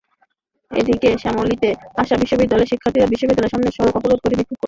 এদিকে শ্যামলীতে আশা বিশ্ববিদ্যালয়ের শিক্ষার্থীরা বিশ্ববিদ্যালয়ের সামনের সড়ক অবরোধ করে বিক্ষোভ করছেন।